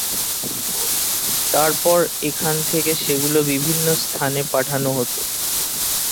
তারপর এখান থেকে সেগুলো বিভিন্ন স্থানে পাঠানো হত।